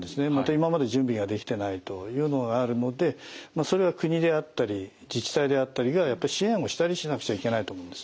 今まで準備ができてないというのがあるのでそれは国であったり自治体であったりがやっぱり支援をしたりしなくちゃいけないと思うんです。